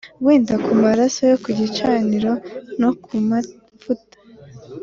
Wende Ku Maraso Yo Ku Gicaniro No Ku Mavuta